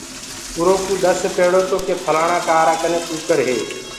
اُرو ڪوُ ڏس پيڙو تو ڪي ڦلآڻآ ڪآرآ ڪني ڪٚڪَر هي۔